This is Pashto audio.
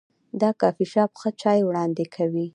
دا کافي شاپ ښه چای وړاندې کوي.